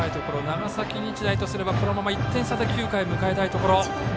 長崎日大とすればこのまま１点差で９点を迎えたいところ。